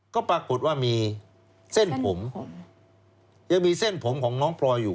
ก็ปรากฏว่ามีเส้นผมยังมีเส้นผมของน้องพลอยอยู่